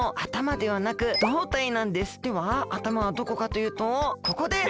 ではあたまはどこかというとここです。